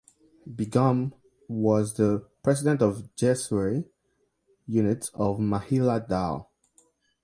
Begum was the president of Jessore unit of Mahila Dal.